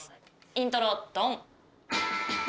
イントロドン。